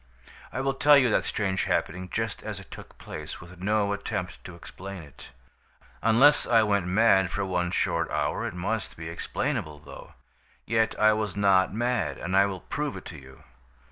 "I will tell you that strange happening just as it took place, with no attempt to explain it. Unless I went mad for one short hour it must be explainable, though. Yet I was not mad, and I will prove it to you.